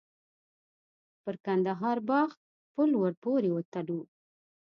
پر کندهار باغ پل ور پورې وتلو.